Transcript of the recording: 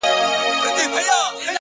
هره ورځ د غوره کېدو نوی انتخاب دی,